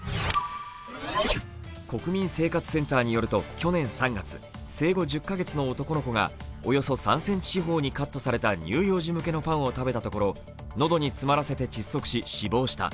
国民生活センターによると去年３月生後１０カ月の男の子がおよそ３センチ四方カットされた乳幼児向けのパンを食べたところ、喉に詰まらせて窒息し、死亡した。